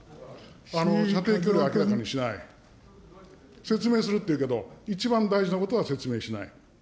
射程距離を明らかにしない、説明するって言うけど、一番大事なことは説明しない。